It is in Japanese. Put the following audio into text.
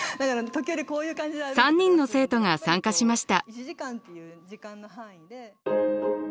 ３人の生徒が参加しました。